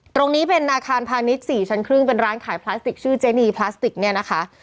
ตรงนี้เป็นอาคารพาณิชย์๔ชั้นครึ่งเป็นร้านขายพลาสติกชื่อเจนีพลาสติกเนี่ยนะคะ